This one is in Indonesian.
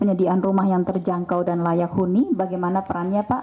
penyediaan rumah yang terjangkau dan layak huni bagaimana perannya pak